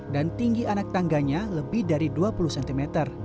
dan tinggi anak tangganya lebih dari dua puluh cm